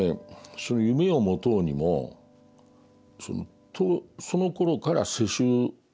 その夢を持とうにもそのころから世襲